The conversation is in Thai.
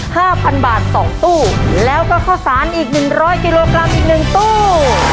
ห้าพันบาทสองตู้แล้วก็ข้าวสารอีกหนึ่งร้อยกิโลกรัมอีกหนึ่งตู้